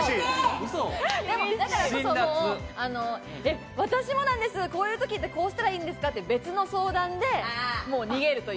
だからこそ、私もなんです、こういう時ってこうしたらいいんですかと別の相談で逃げる。